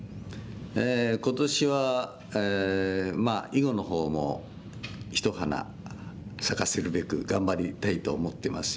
今年はまあ囲碁の方も一花咲かせるべく頑張りたいと思ってますし。